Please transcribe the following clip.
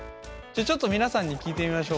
じゃあちょっと皆さんに聞いてみましょうか。